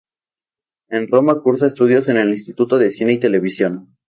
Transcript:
En Roma cursa estudios en el Instituto de cine y televisión.